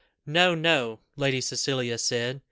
"No no," Lady Cecilia said.